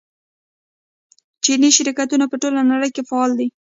چیني شرکتونه په ټوله نړۍ کې فعال دي.